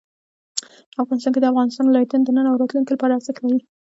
افغانستان کې د افغانستان ولايتونه د نن او راتلونکي لپاره ارزښت لري.